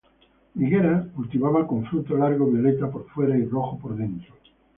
Higuera cultivada con fruto largo, violeta por fuera y rojo por dentro.